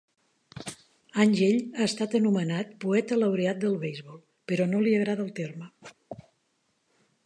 Angell ha estat anomenat "Poeta Laureat del beisbol", però no li agrada el terme.